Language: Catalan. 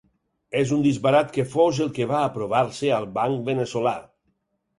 És un disbarat que fos el que va apropar-se al banc veneçolà.